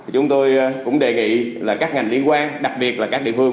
chúng tôi cũng đề nghị các ngành liên quan đặc biệt là các địa phương